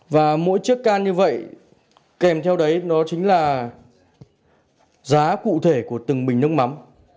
và mỗi chiếc can như vậy kèm theo đấy nó chính là giá cụ thể của từng bình nước mắm